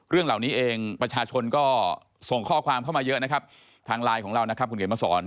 เรื่องเหล่านี้เองประชาชนก็ส่งข้อความเข้ามาเยอะนะครับทางไลน์ของเรานะครับคุณเขียนมาสอน